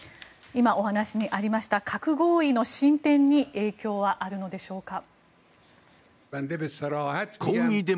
今、お話にありました核合意の進展に影響はあるのでしょうか。